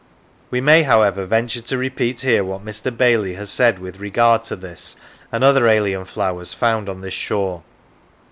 We may, however, venture to repeat here what Mr. Bailey has said with regard to this and other alien flowers found on this shore.